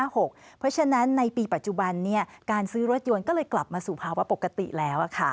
เพราะฉะนั้นในปีปัจจุบันการซื้อรถยนต์ก็เลยกลับมาสู่ภาวะปกติแล้ว